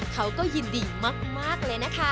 เขาก็ยินดีมากเลยนะคะ